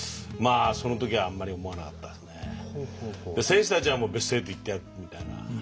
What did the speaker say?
選手たちはベスト８行ってやるみたいな。